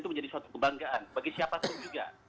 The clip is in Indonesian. itu menjadi suatu kebanggaan bagi siapa pun juga